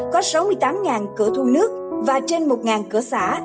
bốn mươi tám cửa thu nước và trên một cửa xã